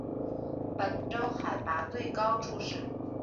本州海拔最高处是。